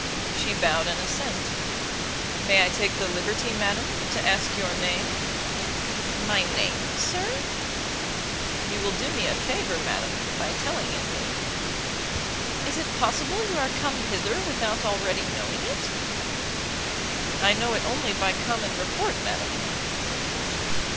She bowed an assent. "May I take the liberty, madam, to ask your name?' "My name, sir?" "You will do me a favour, madam, by telling it me." "Is it possible you are come hither without already knowing it?" "I know it only by common report, madam."